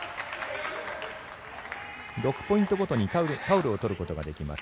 ６ポイントごとにタオルを取ることができます。